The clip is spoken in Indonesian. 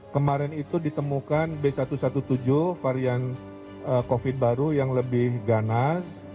kemarin itu ditemukan b satu satu tujuh varian covid baru yang lebih ganas